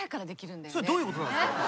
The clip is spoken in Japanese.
それどういうことですか？